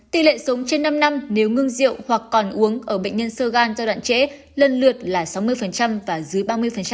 tỷ lệ sống trên năm năm nếu ngưng rượu hoặc còn uống ở bệnh nhân sơ gan giai đoạn trễ lần lượt là sáu mươi và dưới ba mươi